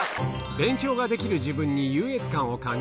勉強ができる自分に優越感を感じ